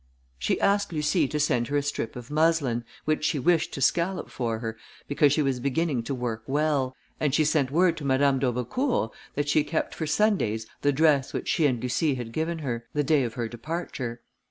She asked Lucie to send her a strip of muslin, which she wished to scallop for her, because she was beginning to work well, and she sent word to Madame d'Aubecourt that she kept for Sundays the dress which she and Lucie had given her, the day of her departure.